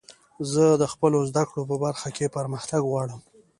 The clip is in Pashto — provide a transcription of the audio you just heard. زه د خپلو زدکړو په برخه کښي پرمختګ غواړم.